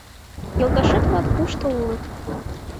Йолташет-влак кушто улыт?